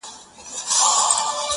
• هر څوک له بل لرې دي..